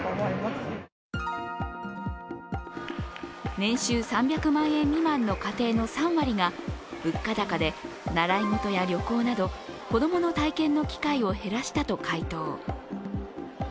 年収３００万円未満の家庭の３割が物価高で習い事や旅行など、子供の体験を機会を減らしたと回答。